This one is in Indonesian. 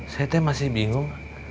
saya tuh masih bingung